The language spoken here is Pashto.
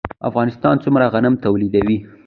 افغانستان څومره غنم تولیدوي؟